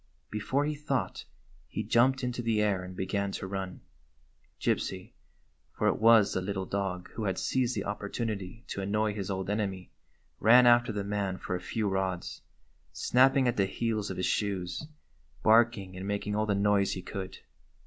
Before he thought he jumped into the air and began to run. Gypsy — for it was the little dog who had seized the op portunity to annoy his old enemy — ran after the man for a few rods, snapping at the heels of his shoes, barking and making all the noise he could.